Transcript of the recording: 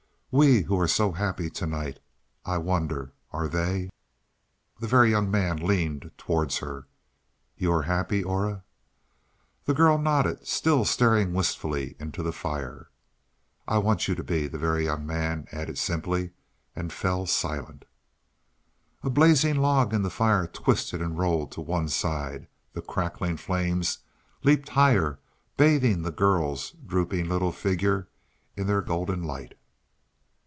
We who are so happy to night I wonder, are they?" The Very Young Man leaned towards her. "You are happy, Aura?" The girl nodded, still staring wistfully into the fire. "I want you to be," the Very Young Man added simply, and fell silent. A blazing log in the fire twisted and rolled to one side; the crackling flames leaped higher, bathing the girl's drooping little figure in their golden light.